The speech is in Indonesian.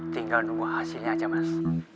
tinggal nunggu hasilnya aja mas